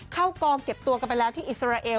เข้ากองเก็บตัวกันไปแล้วที่อิสราเอล